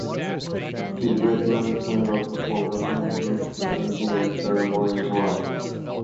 His great-grandson was famed aeronautics engineer, Sir Morien Morgan.